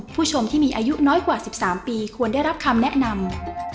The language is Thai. ผู้ชมที่มีอายุน้อยกว่า๑๓ปีควรได้รับคำแนะนำ